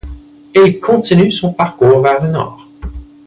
Elle continue son parcours vers le Nord.